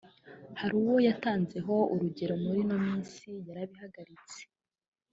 hari uwo (Kim Kizito )yatanzeho urugero muri ino minsi yarabihagaritse